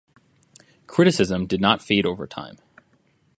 Criticism did not fade over time.